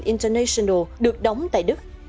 international được đóng tại đức